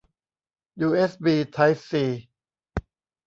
ยูเอสบี ไทป์ซี